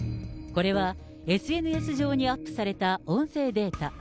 これは、ＳＮＳ上にアップされた音声データ。